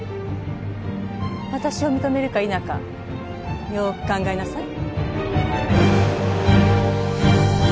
私を認めるか否かよく考えなさい。